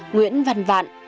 nguyễn văn vạn